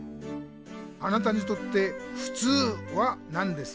あなたにとって「ふつう」は何ですか？